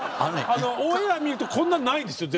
⁉オンエア見るとこんなないですよ